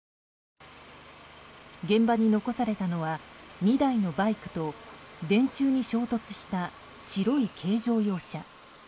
現場に残されたのは２台のバイクと電柱に衝突した白い軽乗用車。